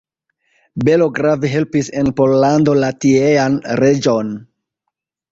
Belo grave helpis en Pollando la tiean reĝon.